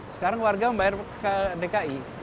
sekarang warga membayar ke dki